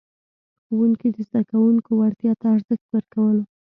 ښوونکي د زده کوونکو وړتیا ته ارزښت ورکولو.